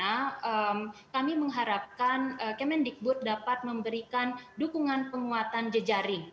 nah dalam hal ini jika bukan dukungan dana kami mengharapkan kementerian dikbut dapat memberikan dukungan penguatan jejaring